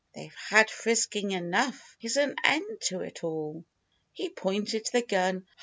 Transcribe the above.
They've had frisking enough— here's an end to it all!" He pointed the gun.